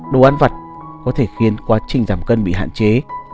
đồ ăn vặt có thể khiến quá trình giảm cân bị hạn chế